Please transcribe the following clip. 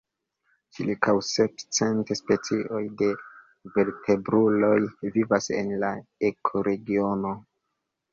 Ĉirkaŭ sep cent specioj de vertebruloj vivas en la ekoregiono.